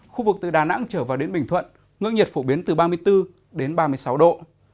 khu vực từ đà nẵng trở vào đến bình thuận ngưỡng nhiệt phổ biến từ ba mươi bốn đến ba mươi sáu độ